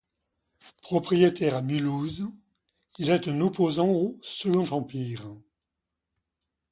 Propriétaire à Mulhouse, il est un opposant au Second Empire.